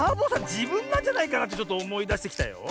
じぶんなんじゃないかなってちょっとおもいだしてきたよ。